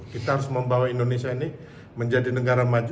kita harus membawa indonesia ini menjadi negara maju